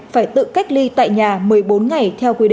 phải tự cách ly tại nhà một mươi bốn ngày